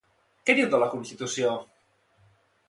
Què diu de la constitució?